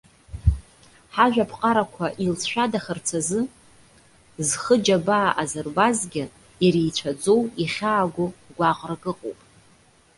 Ҳажәаԥҟарақәа илҵшәадахарц азы зхы џьабаа азырбазгьы, иреицәаӡоу, ихьаагоу гәаҟрак ыҟоуп.